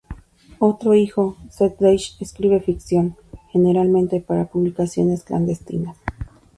Otro hijo, Seth Deitch escribe ficción, generalmente para publicaciones clandestinas.